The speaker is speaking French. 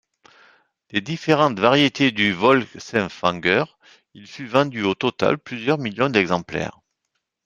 Des différentes variétés du Volksempfänger, il fut vendu au total plusieurs millions d’exemplaires.